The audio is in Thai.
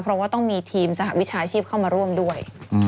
เพราะว่าต้องมีทีมสหวิชาชีพเข้ามาร่วมด้วย